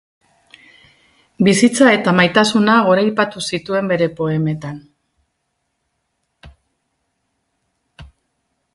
Bizitza eta maitasuna goraipatu zituen bere poemetan.